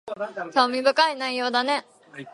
興味深い内容だね